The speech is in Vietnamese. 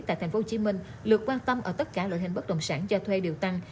tại tp hcm lượt quan tâm ở tất cả loại hình bất động sản cho thuê đều tăng